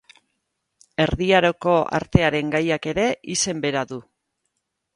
Erdi Haroko Artearen gaiak ere izen bera du.